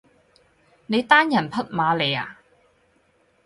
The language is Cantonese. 你單人匹馬嚟呀？